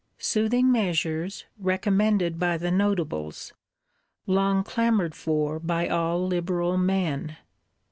Soothing measures, recommended by the Notables; long clamoured for by all liberal men.